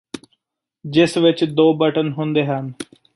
ਜਿਸ ਵਿੱਚ ਦੋ ਬਟਨ ਹੁੰਦੇ ਹਨ